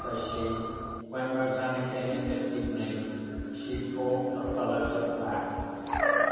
says she. "When Rosanna came in this evening, she bought the fellow to that.